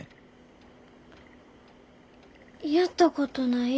やったことない。